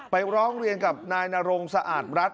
ไปร้องเรียนกับนายน่ารงศะอ่านฤกษ์